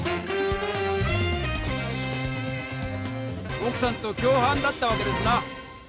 奥さんと共犯だったわけですな！